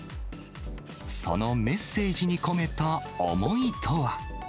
そのメッセージに込めた思いとは。